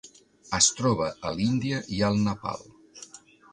Es troba a l'Índia i al Nepal.